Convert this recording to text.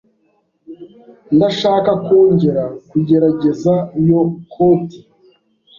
Ndashaka kongera kugerageza iyo koti.